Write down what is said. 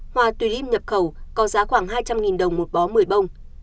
hoa tuy líp nhập khẩu có giá khoảng hai trăm linh đồng một bó một mươi bông